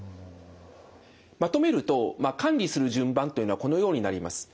まとめると管理する順番というのはこのようになります。